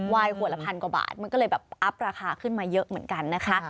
วายหัวละพันกว่าบาทมันก็เลยแบบอัพราคาขึ้นมาเยอะเหมือนกันนะคะ